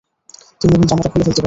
তুমি এখন জামাটা খুলে ফেলতে পারো।